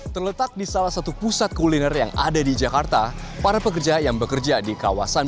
terletak di salah satu pusat kuliner yang ada di jakarta para pekerja yang bekerja di kawasan